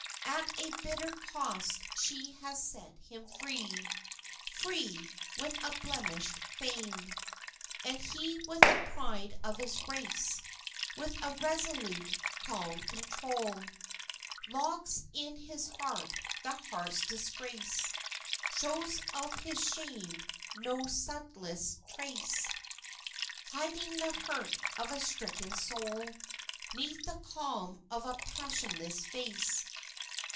At a bitter cost she has set him free Free! with a blemished fame. And he with the pride of his race, With a resolute, calm control, Locks in his heart the heart's disgrace, Shows of his shame no subtlest trace, Hiding the hurt of a stricken soul 'Neath the calm of a passionless face.